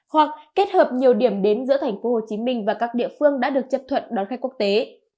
hoặc kết hợp nhiều điểm đến giữa thành phố hồ chí minh và các địa phương đã được chấp thuận đón khách quốc tế